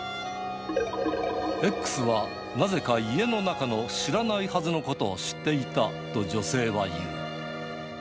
Ｘはなぜか家の中の知らないはずのことを知っていたと女性は言う。